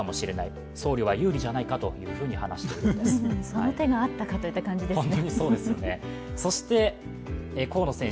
その手があったかという感じですね。